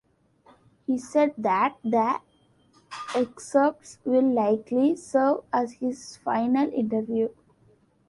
He said that the excerpts will likely serve as his final interview.